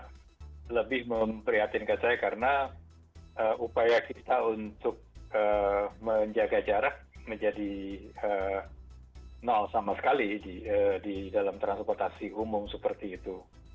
saya lebih memprihatinkan saya karena upaya kita untuk menjaga jarak menjadi nol sama sekali di dalam transportasi umum seperti itu